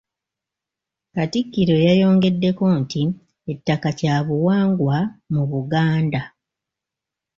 Katikkiro yayongeddeko nti ettaka kya buwangwa mu Buganda.